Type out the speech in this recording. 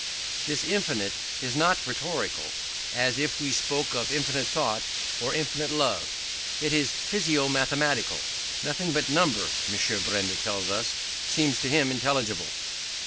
This infinite is not rhetorical, as if we spoke of infinite thought or infinite love: it is physico mathematical. Nothing but number, M. Benda tells us, seems to him intelligible.